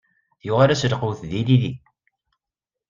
Yuɣal-as lqut d ilili.